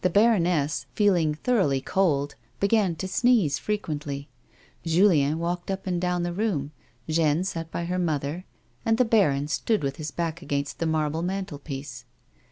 baroness, feeling thoroughly cold, began to sneeze frequently ; Julicn walked up and down the room, Jeanne sat by her mother, and the baron stood with his back against the marble mantel iiiece.